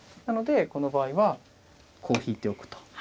なのでこの場合はこう引いておくと。